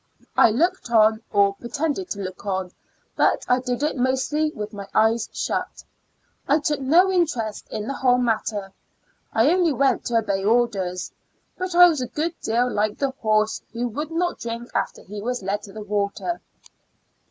I looked on, or pretended to look on, but I did it mostly with my eyes shut. I took no interest in the whole matter. I only went to ojbey orders; but I was a good deal like the horse who would not drink after he was led to the water.